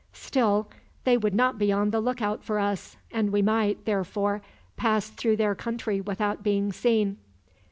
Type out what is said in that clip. "Still, they would not be on the lookout for us; and we might, therefore, pass through their country without being seen."